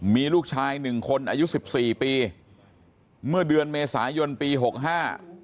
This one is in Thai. มีลูกชายหนึ่งคนอายุสิบสี่ปีเมื่อเดือนเมษายนปีหกห้า